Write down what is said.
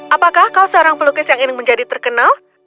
apakah kau seorang pelukis yang ingin menjadi terkenal